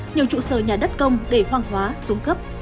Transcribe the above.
nhiều trụ sở nhà đất công để hoang hóa xuống cấp